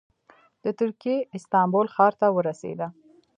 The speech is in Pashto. د ترکیې استانبول ښار ته ورسېده.